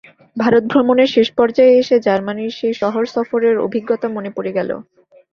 ভারত ভ্রমণের শেষ পর্যায়ে এসে জার্মানির সেই শহর সফরের অভিজ্ঞতা মনে পড়ে গেল।